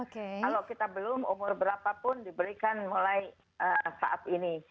kalau kita belum umur berapapun diberikan mulai saat ini